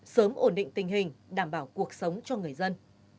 sớm ổn định tình hình đảm bảo cuộc sống cho người dân